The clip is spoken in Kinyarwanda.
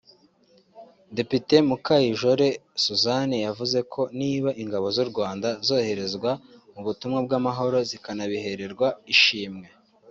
Depite Mukayijore Suzanne yavuze ko niba Ingabo z’u Rwanda zoherezwa mu butumwa bw’amahoro zikanabihererwa ishimwe